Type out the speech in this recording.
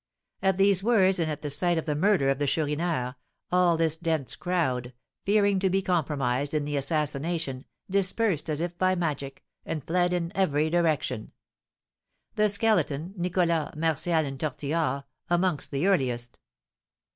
At these words, and at the sight of the murder of the Chourineur, all this dense crowd, fearing to be compromised in the assassination, dispersed as if by magic, and fled in every direction; the Skeleton, Nicholas, Martial, and Tortillard amongst the earliest.